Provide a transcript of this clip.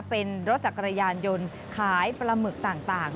เป็นรถจักรยานยนต์ขายปลาหมึกต่าง